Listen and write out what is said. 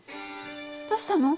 どうしたの？